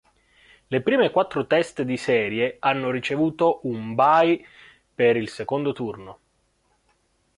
Le prime quattro teste di serie anno ricevuto un bye per il secondo turno